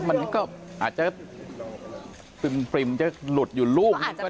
มันก็อาจจะปริ่มจะหลุดอยู่ลูกนึงก็ได้